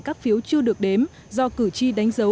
các phiếu chưa được đếm do cử tri đánh dấu